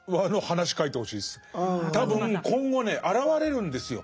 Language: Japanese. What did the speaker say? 多分今後ね現れるんですよ。